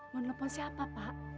mau nelfon siapa pak